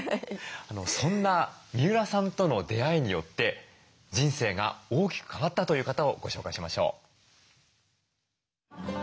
そんな三浦さんとの出会いによって人生が大きく変わったという方をご紹介しましょう。